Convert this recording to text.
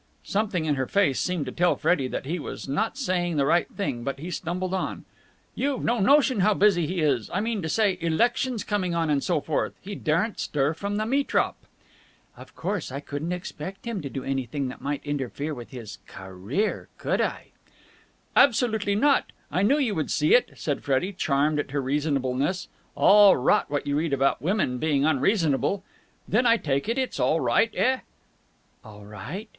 Something in her face seemed to tell Freddie that he was not saying the right thing, but he stumbled on. "You've no notion how busy he is. I mean to say, elections coming on and so forth. He daren't stir from the metrop." "Of course I couldn't expect him to do anything that might interfere with his career, could I?" "Absolutely not. I knew you would see it!" said Freddie, charmed at her reasonableness. All rot, what you read about women being unreasonable. "Then I take it it's all right, eh?" "All right?"